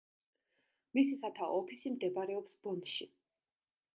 მისი სათაო ოფისი მდებარეობს ბონში.